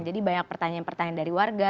jadi banyak pertanyaan pertanyaan dari warga